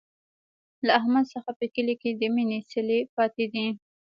له احمد څخه په کلي کې د مینې څلی پاتې دی.